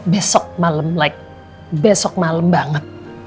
besok malam like besok malam banget